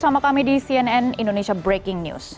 bersama kami di cnn indonesia breaking news